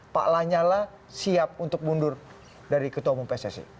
pak lanyala siap untuk mundur dari ketua umum pssi